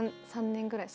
３年ぐらい。